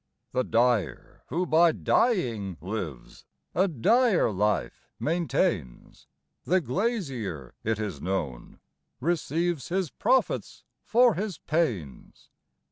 The dyer, who by dying lives, a dire life maintains; The glazier, it is known, receives his profits for his panes.